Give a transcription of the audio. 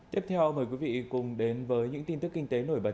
tiếp theo mời quý vị cùng đến với những tin tức kinh tế nổi bật